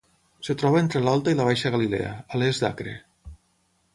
Es troba entre l'Alta i la Baixa Galilea, a l'est d'Acre.